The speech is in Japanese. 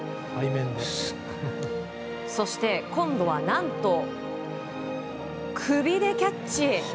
そして今度は何と首でキャッチ！